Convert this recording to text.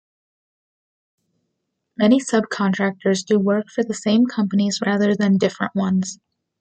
Many subcontractors do work for the same companies rather than different ones.